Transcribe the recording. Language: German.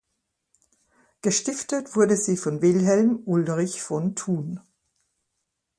Gestiftet wurde sie von Wilhelm Ulrich von Thun.